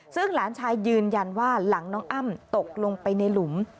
ซึ่งหลานชายยืนยันว่าหลังน้องอ้ำตกลงไปในหลุม